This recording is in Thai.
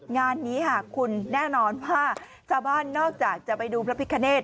งานนี้ค่ะคุณแน่นอนว่าชาวบ้านนอกจากจะไปดูพระพิคเนต